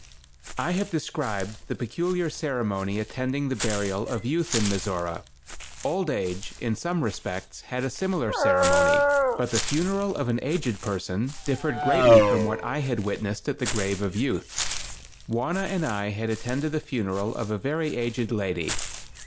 I have described the peculiar ceremony attending the burial of youth in Mizora. Old age, in some respects, had a similar ceremony, but the funeral of an aged person differed greatly from what I had witnessed at the grave of youth. Wauna and I attended the funeral of a very aged lady.